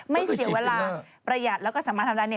ไม่เสียเวลาประหยัดแล้วก็สามารถทำได้เนี่ย